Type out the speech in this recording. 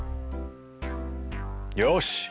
「よし！